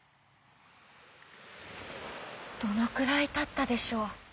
どのくらいたったでしょう。